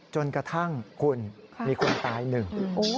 จนกระทั่งคุณมีคนตายหนึ่ง